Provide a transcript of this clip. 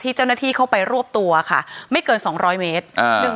เจ้าหน้าที่เข้าไปรวบตัวค่ะไม่เกิน๒๐๐เมตร